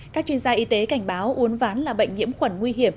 các chuyên gia y tế cảnh báo uốn ván là bệnh nhiễm khuẩn nguy hiểm